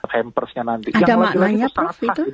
yang nanti kita akan mengirim hampersnya nanti